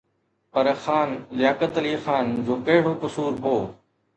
پر خان لياقت علي خان جو ڪهڙو قصور هو؟